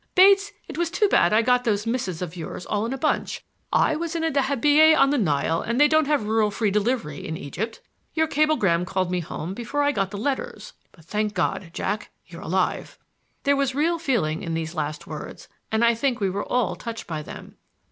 "Bates, it was too bad I got those missives of yours all in a bunch. I was in a dahabiyeh on the Nile and they don't have rural free delivery in Egypt. Your cablegram called me home before I got the letters. But thank God, Jack, you're alive!" There was real feeling in these last words, and I think we were all touched by them.